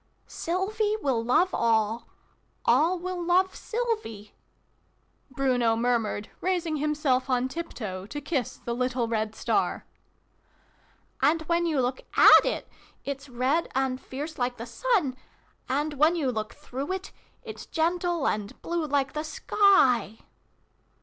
'*' SYLVIE WILL LOVE ALL ALL WILL LOVE SYLVIE," Bruno murmured, raising himself on tiptoe to kiss the 'little red star.' " And, when you look at it, it's red and fierce like the sun and, when you look through it, it's gentle and blue like the sky